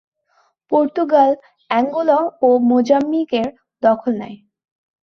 Portugal Angola ও মোজাম্বিকের দখল নেয়।